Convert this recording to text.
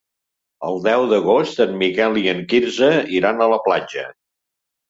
El deu d'agost en Miquel i en Quirze iran a la platja.